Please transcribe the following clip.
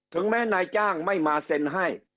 ถึงแม้นายจ้างไม่มาเซ็นให้